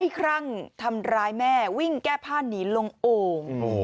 ครั่งทำร้ายแม่วิ่งแก้ผ้าหนีลงโอ่ง